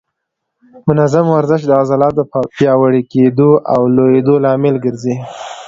منظم ورزش د عضلاتو د پیاوړي کېدو او لویېدو لامل ګرځي.